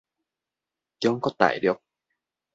中國大陸